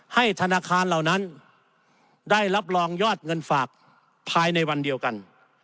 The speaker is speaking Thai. ให้ธนาคารเหล่านั้นได้รับรองยอดเงินฝากภายในวันเดียวกัน